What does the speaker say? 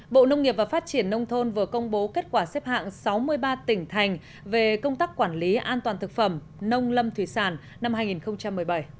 bộ nông nghiệp và phát triển nông thôn vừa công bố kết quả xếp hạng sáu mươi ba tỉnh thành về công tác quản lý an toàn thực phẩm nông lâm thủy sản năm hai nghìn một mươi bảy